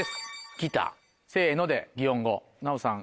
ギターせので擬音語奈緒さん